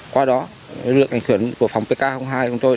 qua đó lực lượng cảnh khuyển của phòng pk hai của tôi